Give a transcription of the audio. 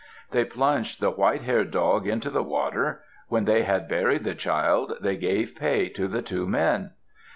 They plunged the white haired dog into the water. When they had buried the child they gave pay to the two men.